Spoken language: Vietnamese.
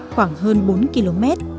khoảng hơn bốn km